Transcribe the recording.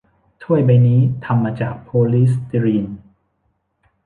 ถ้วยใบนี้ทำมาจากโพลีสตีรีน